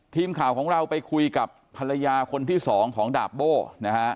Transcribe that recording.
ทีมข่าวของเราไปคุยกับภรรยาคนที่สองของดาบโบ้นะฮะ